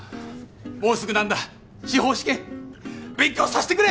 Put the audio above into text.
もうすぐなんだ司法試験勉強さしてくれ！